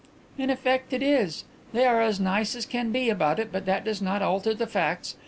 "In effect, it is. They are as nice as can be about it but that does not alter the facts.